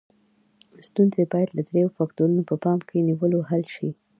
ستونزې باید د دریو فکتورونو په پام کې نیولو حل شي.